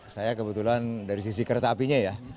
saya kebetulan dari sisi kereta apinya ya